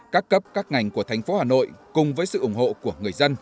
các cấp các ngành của thành phố hà nội cùng với sự ủng hộ của người dân